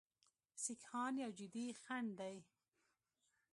سیکهان یو جدي خنډ دی.